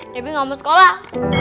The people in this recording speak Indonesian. debbie gak mau sekolah